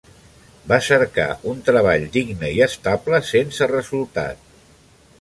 Va cercar un treball digne i estable, sense resultat.